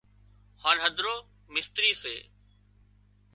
هانَ هڌرو مستري سي